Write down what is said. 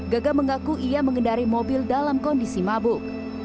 gagah mengaku ia mengendari mobil dalam kondisi mabuk